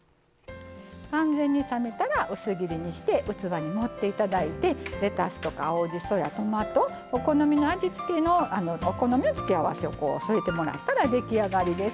完全に冷めたら薄切りにして器に盛っていただいてレタスとか青じそやトマトお好みの付け合わせを添えてもらったら出来上がりです。